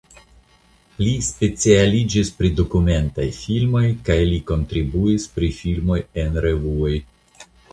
Li specialiĝis pri dokumentaj filmoj kaj li kontribuis pri filmoj en revuoj.